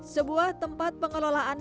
sebuah tempat pengelolaan